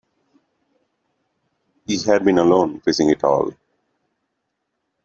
He had been alone: facing it all.